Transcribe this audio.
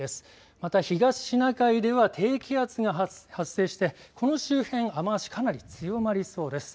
また東シナ海では低気圧が発生してこの周辺、雨足かなり強まりそうです。